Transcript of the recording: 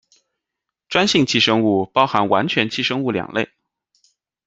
专性寄生物包含完全寄生物两类。